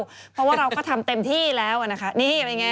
เพราะว่าเราก็ทำเต็มที่แล้วนะคะนี่เป็นไง